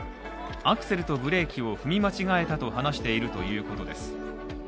アクセルとブレーキを踏み間違えたと話しているということです。